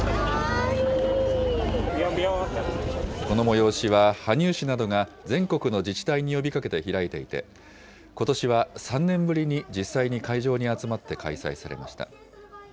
この催しは羽生市などが全国の自治体に呼びかけて開いていて、ことしは３年ぶりに実際に会場に集まって開催されました。